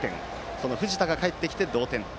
その藤田がかえってきて同点。